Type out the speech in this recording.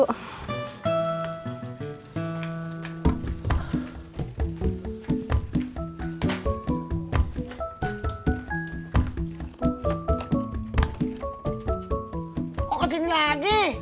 kok ke sini lagi